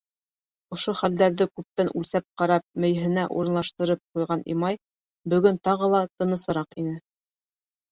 Ошо хәлдәрҙе күптән үлсәп ҡарап мейеһенә урынлаштырып ҡуйған Имай бөгөн тағы ла тынысыраҡ ине.